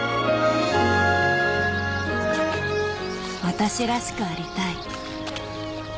「私らしくありたい」